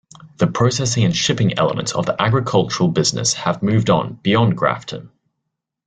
The processing and shipping elements of the agricultural business have moved on beyond Grafton.